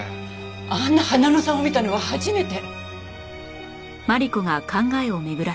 あんな花野さんを見たのは初めて。